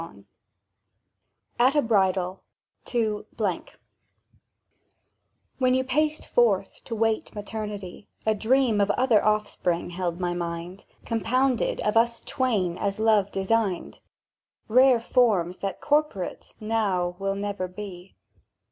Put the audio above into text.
1866. AT A BRIDAL TO — WHEN you paced forth, to wait maternity, A dream of other offspring held my mind, Compounded of us twain as Love designed; Rare forms, that corporate now will never be!